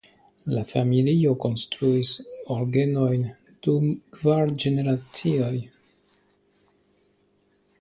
La familio konstruis orgenojn dum kvar generacioj.